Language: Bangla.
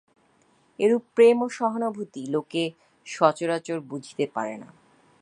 এরূপ প্রেম ও সহানুভূতি লোকে সচরাচর বুঝিতে পারে না।